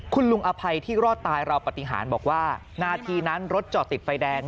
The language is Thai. คุณลุงอภัยที่รอดตายเราปฏิหารบอกว่านาทีนั้นรถจอดติดไฟแดง